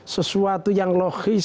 sesuatu yang logis